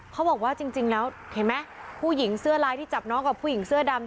เขาบอกว่าจริงแล้วเห็นไหมผู้หญิงเสื้อลายที่จับน้องกับผู้หญิงเสื้อดำ